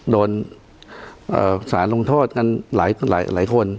โดนเอ่อสาลงโทษกันหลายหลายหลายคน